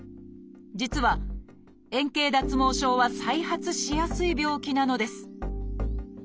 実は円形脱毛症は再発しやすい病気なのです。